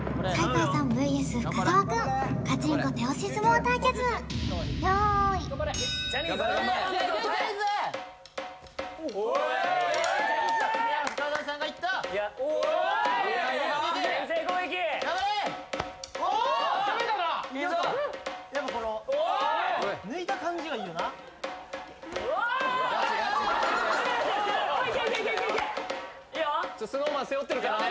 いいよガチだよＳｎｏｗＭａｎ背負ってるからね